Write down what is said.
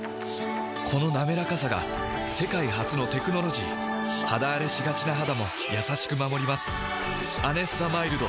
このなめらかさが世界初のテクノロジー肌あれしがちな肌も優しく守ります「アネッサマイルド」